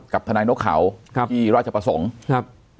กับทนายนกเขาที่ราชประสงค์